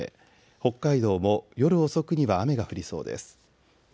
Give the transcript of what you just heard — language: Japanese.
北海道も夜遅くには雨が降りそうです。